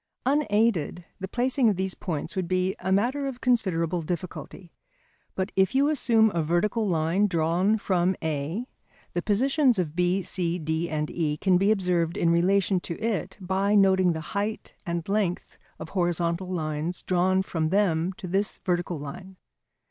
Unaided, the placing of these points would be a matter of considerable difficulty. But if you assume a vertical line drawn from A, the positions of B, C, D, and E can be observed in relation to it by noting the height and length of horizontal lines drawn from them to this vertical line.